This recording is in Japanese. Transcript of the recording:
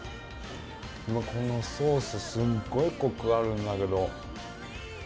このソース、すごいコクあるんだけど。